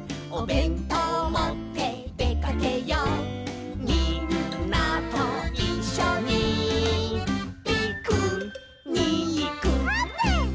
「おべんとうもってでかけよう」「みんなといっしょにピクニック」あーぷん！